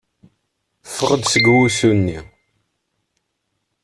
Ffeɣ-d seg wusu-nni.